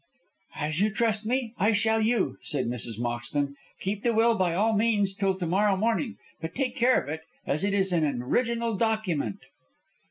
"As you trust me, I shall you," said Mrs. Moxton. "Keep the will by all means till to morrow morning; but take care of it, as it is an original document."